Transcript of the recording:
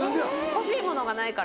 欲しいものがないから。